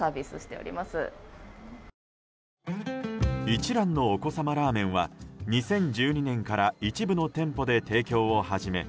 一蘭のお子様ラーメンは２０１２年から一部の店舗で提供を始め